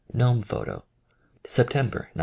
Gnome photo: September 1917.